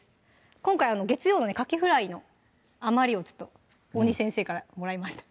今回月曜のねカキフライの余りをちょっと大西先生からもらいました